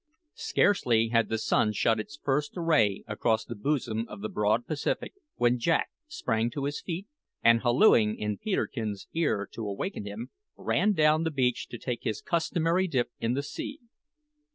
Scarcely had the sun shot its first ray across the bosom of the broad Pacific when Jack sprang to his feet, and hallooing in Peterkin's ear to awaken him, ran down the beach to take his customary dip in the sea.